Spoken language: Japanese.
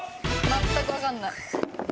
全くわかんない。